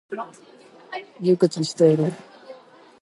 熟知している。